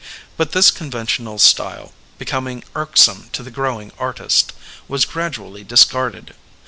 Bnt this conventional style, becoming irksome to the growing artist, was gradually dis carded.